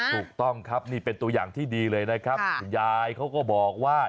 ถูกต้องครับนี่เป็นตัวอย่างที่ดีเลยนะครับคุณยายเขาก็บอกว่า